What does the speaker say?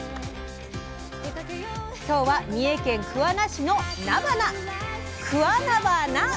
今日は「三重県桑名市のなばな」。